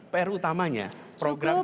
pr utamanya programnya